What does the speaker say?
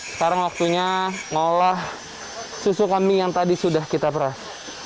sekarang waktunya ngolah susu kami yang tadi sudah kita peras